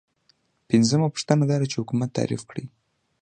پنځمه پوښتنه دا ده چې حکومت تعریف کړئ.